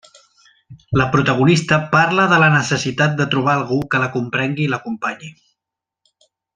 La protagonista parla de la necessitat de trobar a algú que la comprengui i l'acompanyi.